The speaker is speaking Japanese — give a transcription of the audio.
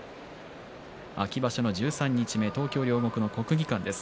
秋場所の十三日目東京・両国の国技館です。